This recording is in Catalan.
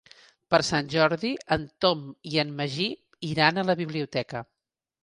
Per Sant Jordi en Tom i en Magí iran a la biblioteca.